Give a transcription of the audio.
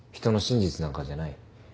人の真実なんかじゃない。